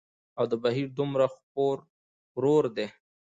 او دا بهير دومره خپور وور دى